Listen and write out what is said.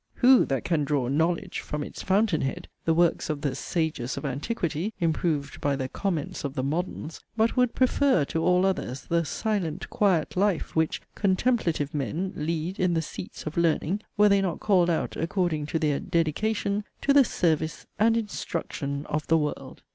Who, that can draw 'knowledge' from its 'fountain head,' the works of the 'sages of antiquity,' (improved by the 'comments' of the 'moderns,') but would 'prefer' to all others the 'silent quiet life,' which 'contemplative men' lead in the 'seats of learning,' were they not called out (according to their 'dedication') to the 'service' and 'instruction' of the world?